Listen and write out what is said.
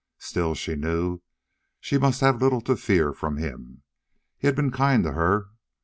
Still she knew she must have little to fear from him. He had been kind to her.